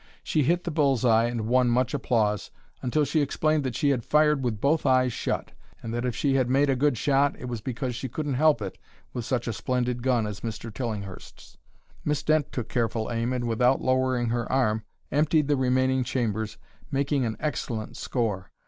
She hit the bull's eye and won much applause, until she explained that she had fired with both eyes shut and that, if she had made a good shot, it was because she couldn't help it with such a splendid gun as Mr. Tillinghurst's. Miss Dent took careful aim and, without lowering her arm, emptied the remaining chambers, making an excellent score.